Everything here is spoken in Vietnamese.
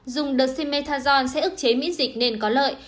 dùng dexamethasone sẽ ức chế miễn dịch nên có lợi